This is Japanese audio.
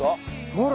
ほら！